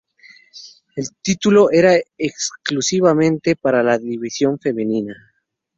El título era exclusivamente para la división femenina.